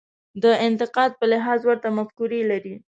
د اعتقاد په لحاظ ورته مفکورې لري.